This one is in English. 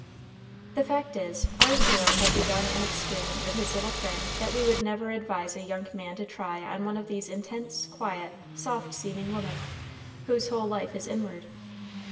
The fact is, our hero had begun an experiment with his little friend that we would never advise a young man to try on one of these intense, quiet, soft seeming women, whose whole life is inward.